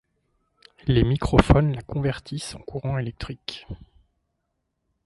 Les microphones la convertissent en courant électrique.